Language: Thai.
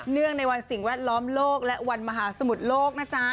งในวันสิ่งแวดล้อมโลกและวันมหาสมุทรโลกนะจ๊ะ